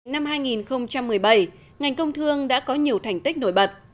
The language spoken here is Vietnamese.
năm hai nghìn một mươi bảy ngành công thương đã có nhiều thành tích nổi bật